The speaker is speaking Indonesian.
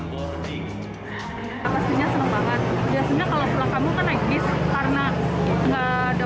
ya udah akhirnya pulang bulan aja